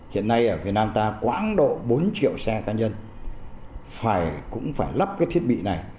hiện nay ở việt nam ta quãng độ bốn triệu xe cá nhân cũng phải lắp cái thiết bị này